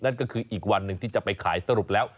นั่นก็คืออีกวันหนึ่งที่จะไปขายสรุปแล้ว